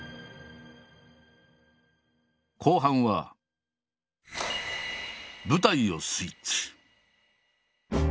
後半は舞台をスイッチ。